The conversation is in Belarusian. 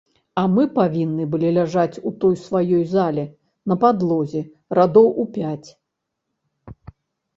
А мы павінны былі ляжаць у той сваёй зале, на падлозе, радоў у пяць.